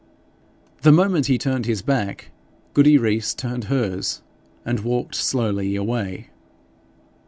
The moment he turned his back, Goody Rees turned hers, and walked slowly away.